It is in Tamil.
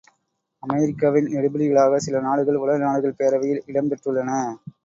அமெரிக்காவின் எடுபிடிகளாகச் சில நாடுகள் உலக நாடுகள் பேரவையில் இடம் பெற்றுள்ளன!